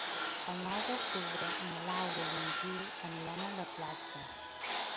El nou d'octubre na Laura i en Gil aniran a la platja.